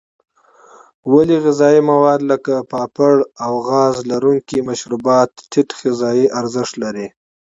ولې غذایي مواد لکه پاپړ او غاز لرونکي مشروبات ټیټ غذایي ارزښت لري.